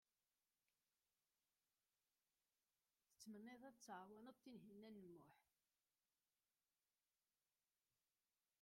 Tessarameḍ ad k-tɛawen Tinhinan u Muḥ.